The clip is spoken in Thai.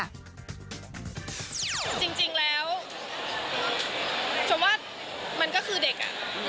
จริงแล้วชมว่ามันก็คือเด็กอ่ะ